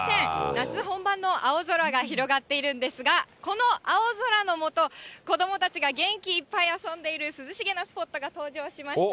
夏本番の青空が広がっているんですが、この青空の下、子どもたちが元気いっぱい遊んでいる涼しげなスポットが登場しました。